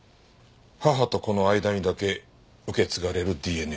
母と子の間にだけ受け継がれるＤＮＡです。